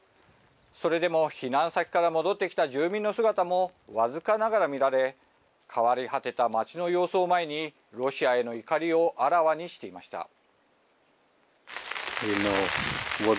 それでも避難先から戻ってきた住民の姿も僅かながら見られ、変わり果てた街の様子を前にロシアへの怒りをあらわにしていました。